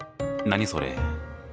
何それ？